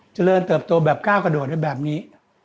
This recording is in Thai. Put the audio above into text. เจริญเติบโตแบบก้าวกระโดดไว้แบบนี้